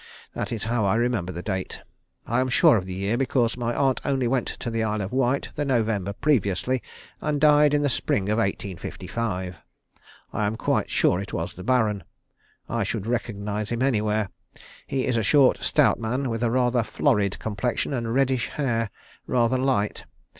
That is how I remember the date. I am sure of the year because my aunt only went to the Isle of Wight the November previously, and died in the spring of 1855. I am quite sure it was the Baron. I should recognise him anywhere. He is a short, stout man, with a rather florid complexion and reddish hair, rather light.